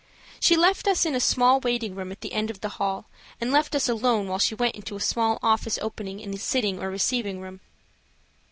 She left us in a small waiting room at the end of the hall, and left us alone while she went into a small office opening into the sitting or receiving room.